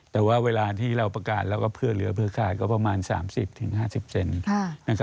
แต่ว่าเวลาที่เราประกาศแล้วก็เพื่อเหลือเพื่อขาดก็ประมาณ๓๐๕๐เซน